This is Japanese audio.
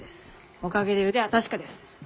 おかげで腕は確かです。